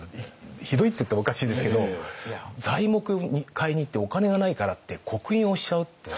ひどいって言ったらおかしいですけど材木買いに行ってお金がないからって刻印押しちゃうって。